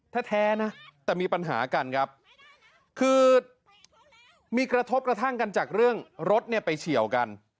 แท้นะแต่มีปัญหากันครับคือมีกระทบกระทั่งกันจากเรื่องรถเนี่ยไปเฉียวกัน